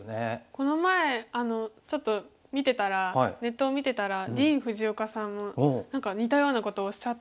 この前ちょっと見てたらネットを見てたらディーン・フジオカさんも何か似たようなことをおっしゃっていて。